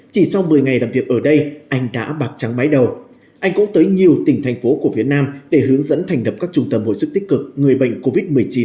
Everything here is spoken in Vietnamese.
chỉ sau một mươi ngày làm việc ở đây anh đã bạc trắng máy đầu anh cũng tới nhiều tỉnh thành phố của phía nam để hướng dẫn thành lập các trung tâm hồi sức tích cực người bệnh covid một mươi chín